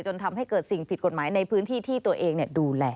ทำให้เกิดสิ่งผิดกฎหมายในพื้นที่ที่ตัวเองดูแล